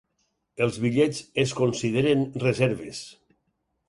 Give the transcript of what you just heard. Els bitllets es consideren reserves.